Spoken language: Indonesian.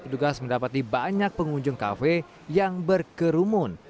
tugas mendapati banyak pengunjung kafe yang berkerumun